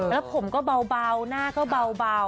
แล้วผมก็เบาหน้าก็เบา